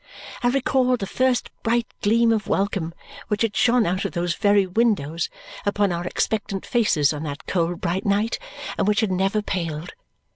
I recalled the first bright gleam of welcome which had shone out of those very windows upon our expectant faces on that cold bright night, and which had never paled.